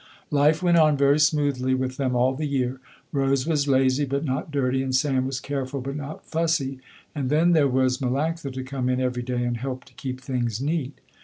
Life went on very smoothly with them all the year. Rose was lazy but not dirty and Sam was careful but not fussy, and then there was Melanctha to come in every day and help to keep things neat.